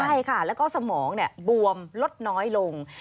ใช่ค่ะแล้วก็สมองบวมลดน้อยลง